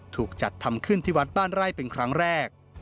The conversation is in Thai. ถูกจัดทำขึ้นที่วัดบ้านไร่เป็นครั้งแรก